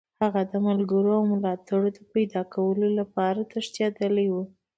هغه د ملګرو او ملاتړو د پیداکولو لپاره تښتېدلی وو.